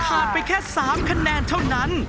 ไปแค่๓คะแนนเท่านั้น